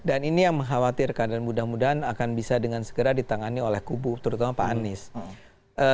dan ini yang mengkhawatirkan dan mudah mudahan akan bisa dengan segera ditangani oleh kubu terutama pak anies